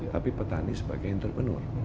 tapi petani sebagai entrepreneur